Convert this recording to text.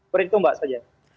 beritahu mbak saja